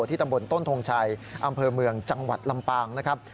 ที่ตำบลต้นทงชัยอำเภอเมืองจังหวัดลำปางนะครับ